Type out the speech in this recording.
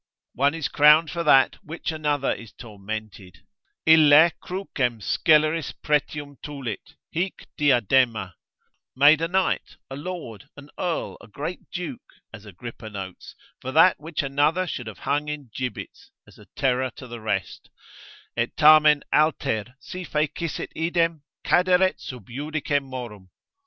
One is crowned for that which another is tormented: Ille crucem sceleris precium tulit, hic diadema; made a knight, a lord, an earl, a great duke, (as Agrippa notes) for that which another should have hung in gibbets, as a terror to the rest, ———et tamen alter, Si fecisset idem, caderet sub judice morum.